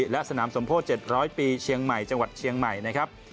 และสนามสมโพธิ๗๐๐ปีเชียงใหม่จังหวัดเชียงใหม่นะครับ